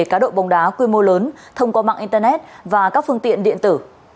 cả đội bóng đá quy mô lớn thông qua mạng internet và các phương tiện điện tử